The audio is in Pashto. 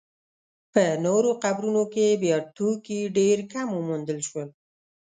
په نورو قبرونو کې بیا توکي ډېر کم وموندل شول.